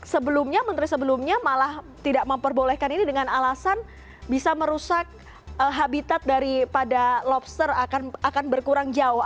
sebelumnya menteri sebelumnya malah tidak memperbolehkan ini dengan alasan bisa merusak habitat daripada lobster akan berkurang jauh